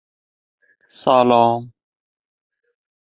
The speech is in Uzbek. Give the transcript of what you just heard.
bolaning ko‘zi oldida militsiyaning telefon raqami yozib qo'ying.